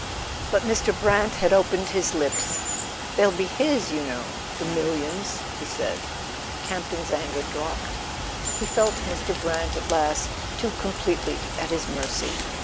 But Mr. Brant had opened his lips. "They'll be his , you know: the millions," he said. Campton's anger dropped: he felt Mr. Brant at last too completely at his mercy.